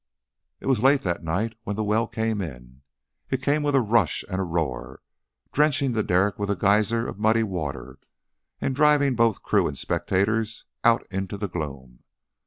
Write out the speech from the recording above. It was late that night when the well came in. It came with a rush and a roar, drenching the derrick with a geyser of muddy water and driving both crew and spectators out into the gloom.